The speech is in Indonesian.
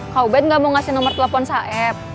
kau baik gak mau ngasih nomer telepon saeb